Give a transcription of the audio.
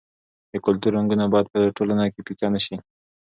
د کلتور رنګونه باید په ټولنه کې پیکه نه سي.